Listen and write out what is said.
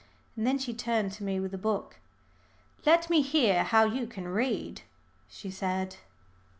And then she turned to me with a book. "Let me hear how you can read," she said.